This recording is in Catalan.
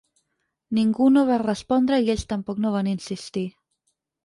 Ningú no va respondre i ells tampoc no van insistir.